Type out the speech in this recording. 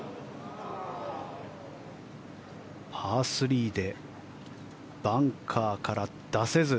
パー３でバンカーから出せず。